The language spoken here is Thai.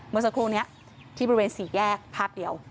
เมื่อสักครู่นี้ที่บริเวณสี่แยกภาพเดียว